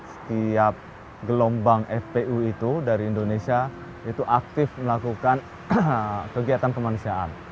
setiap gelombang fpu itu dari indonesia itu aktif melakukan kegiatan kemanusiaan